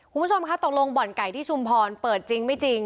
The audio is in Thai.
คุณผู้ชมคะตกลงบ่อนไก่ที่ชุมพรเปิดจริงไม่จริง